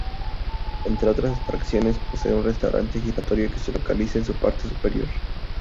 Entre otras atracciones posee un restaurante giratorio que se localiza en su parte superior.